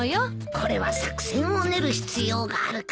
これは作戦を練る必要があるか。